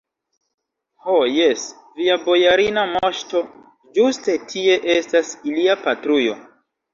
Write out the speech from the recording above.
Ho, jes, via bojarina moŝto, ĝuste tie estas ilia patrujo.